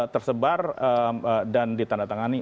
terkembang dan ditandatangani